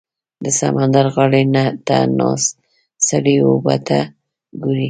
• د سمندر غاړې ته ناست سړی اوبو ته ګوري.